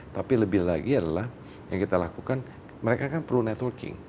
tapi lebih lagi adalah yang kita lakukan mereka kan perlu networking